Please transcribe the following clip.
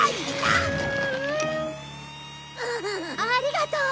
ありがとう！